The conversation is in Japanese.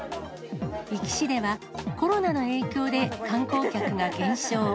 壱岐市では、コロナの影響で観光客が減少。